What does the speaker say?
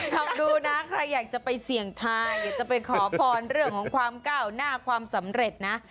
ระบดูนะใครอยากไปเสียงทายเดี๋ยวจะไปขอพรเรื่องของความเก่าหน้าความสำเร็จนะ